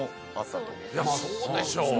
そうでしょう